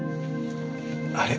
あれ？